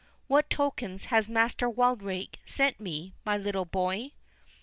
—What tokens has Master Wildrake sent me, my little boy?"